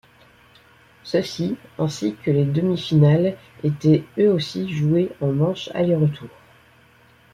Ceux-ci, ainsi que les demi-finales étaient eux aussi joué en manches aller-retour.